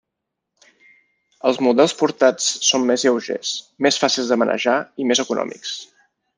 Els models portats són més lleugers, més fàcils de manejar i més econòmics.